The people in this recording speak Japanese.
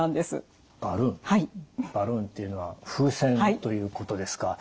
バルーンというのは風船ということですか。